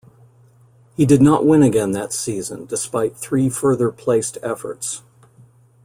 He did not win again that season despite three further placed efforts.